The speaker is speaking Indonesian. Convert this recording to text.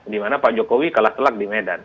di mana pak jokowi kalah telak di medan